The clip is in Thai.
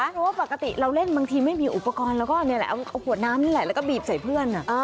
เพราะว่าปกติเราเล่นบางทีไม่มีอุปกรณ์แล้วก็นี่แหละเอาขวดน้ำนี่แหละแล้วก็บีบใส่เพื่อน